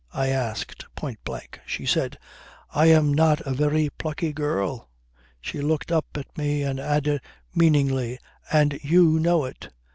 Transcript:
I asked point blank. She said: "I am not a very plucky girl." She looked up at me and added meaningly: "And you know it.